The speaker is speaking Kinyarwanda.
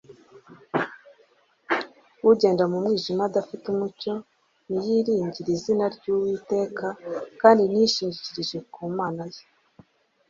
Ugenda mu mwijima udafite umucyo, niyiringire izina ry'Uwiteka kandi yishingikirize ku Mana ye.